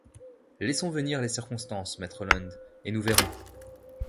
« Laissons venir les circonstances, maître Land, et nous verrons.